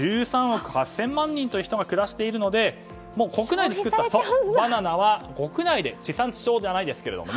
１３億８０００万人という人が暮らしているので国内で作ったバナナは国内で地産地消じゃないですけども。